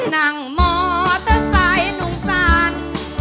นั่งมอเตอร์ไซค์หนุ่มสัน